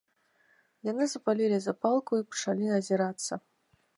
Яны запалілі запалку і пачалі азірацца.